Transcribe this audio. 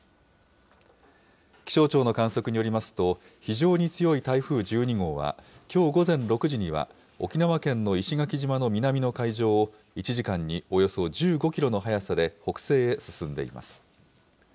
気象庁の観測によりますと、非常に強い台風１２号は、きょう午前６時には、沖縄県の石垣島の南の海上を１時間におよそ１５キロの速さで、北西へ進んでいます。